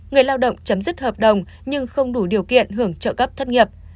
người lao động chấm dứt hợp đồng nhưng không đủ điều kiện hưởng trợ cấp thất nghiệp